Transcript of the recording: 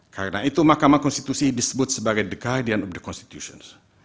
karena itu mahkamah konstitusi disebut sebagai the guardian of the constitution